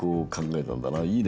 いいね。